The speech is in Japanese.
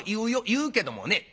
言うけどもね